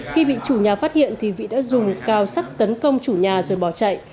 khi bị chủ nhà phát hiện thì vị đã dùng cao sắt tấn công chủ nhà rồi bỏ chạy